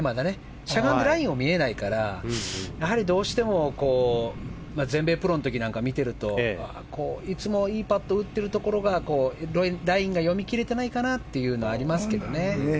しゃがんでラインを見れないからやはり、どうしても全米プロの時とかを見てるといつもいいパット打ってるところがラインが読み切れてないかなというのがありますね。